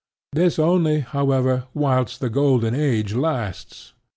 This only, however, whilst the golden age lasts.